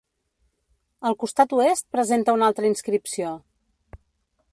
El costat oest presenta una altra inscripció.